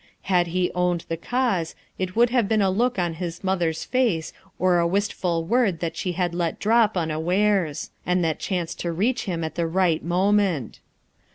Had lie owned the cause it would have been a look on his mother's face or a wistful word that she let drop unawares ; and that chanced to reach him at the right moment.